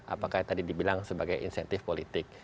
apakah tadi dibilang sebagai insentif politik